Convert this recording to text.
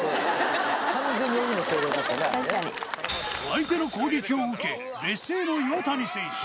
相手の攻撃を受け劣勢の岩谷選手。